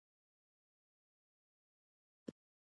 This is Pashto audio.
ایا زه وریجې خوړلی شم؟